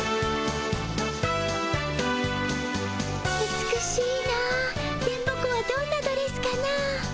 美しいの電ボ子はどんなドレスかの？